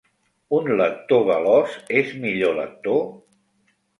Un lector veloç és millor lector?